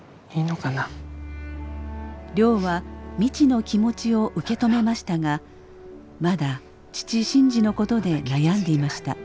亮は未知の気持ちを受け止めましたがまだ父新次のことで悩んでいました。